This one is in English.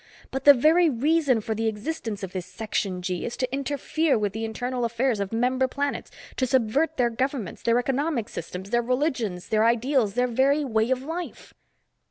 But the very reason for the existence of this Section G is to interfere with the internal affairs of member planets, to subvert their governments, their economic systems, their religions, their ideals, their very way of life."